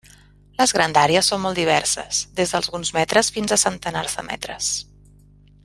Les grandàries són molt diverses des d'alguns metres fins a centenars de metres.